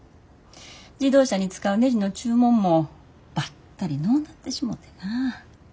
自動車に使うねじの注文もパッタリのうなってしもてな。